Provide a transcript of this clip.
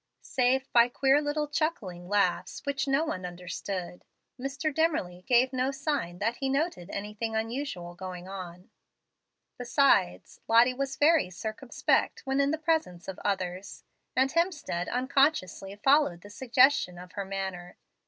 Save by queer little chuckling laughs, which no one understood, Mr. Dimmerly gave no sign that he noted any thing unusual going on. Besides, Lottie was very circumspect when in the presence of others, and Hemstead unconsciously followed the suggestion of her manner.